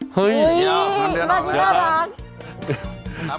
โอ้โหเฮ้ยมาที่ต้ารัก